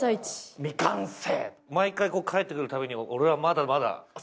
毎回帰って来るたびに、俺はまだまだ。